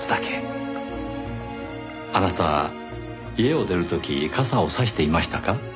あなた家を出る時傘を差していましたか？